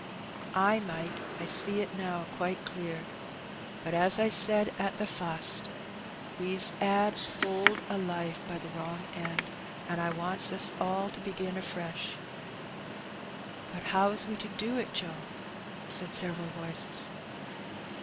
I might, I see it now qoite clear; bat as I said at the fust, we 's *ad hold o' life by the wrong end. An* I wants ns all to begin afresh." But how is we to do it, Joe?" said several voices.